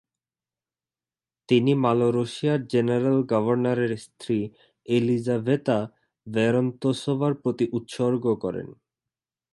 তিনি মালোরোসিয়ার জেনারেল-গভর্নরের স্ত্রী এলিজাভেতা ভোরোন্তসোভার প্রতি উৎসর্গ করেন।